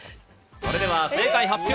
それでは正解発表。